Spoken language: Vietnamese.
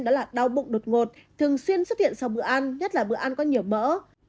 đó là đau bụng đột ngột thường xuyên xuất hiện sau bữa ăn nhất là bữa ăn có nhiều mỡ